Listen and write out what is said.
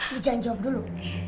lu jangan jawab dulu